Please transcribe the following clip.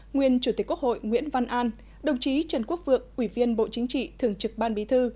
nguyên chủ tịch quốc hội nguyễn văn an đồng chí trần quốc vượng ủy viên bộ chính trị thường trực ban bí thư